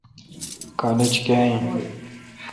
کالج کاں این۔